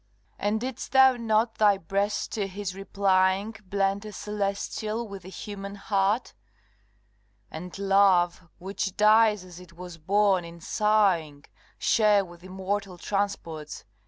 CXIX. And didst thou not, thy breast to his replying, Blend a celestial with a human heart; And Love, which dies as it was born, in sighing, Share with immortal transports?